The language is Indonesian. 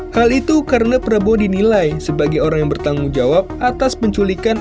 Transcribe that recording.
hal itu karena prabowo dinilai sebagai orang yang bertanggung jawab atas penculikan